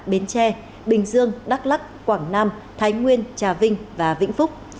bến tre bình dương đắk lắc quảng nam thái nguyên trà vinh và vĩnh phúc